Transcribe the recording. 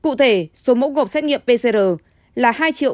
cụ thể số mẫu gộp xét nghiệm pcr là hai ba trăm một mươi một năm trăm một mươi bốn